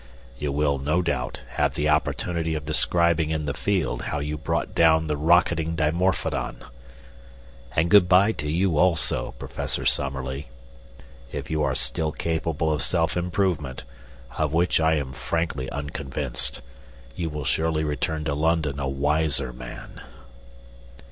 You will, no doubt, have the opportunity of describing in the Field how you brought down the rocketing dimorphodon. And good bye to you also, Professor Summerlee. If you are still capable of self improvement, of which I am frankly unconvinced, you will surely return to London a wiser man."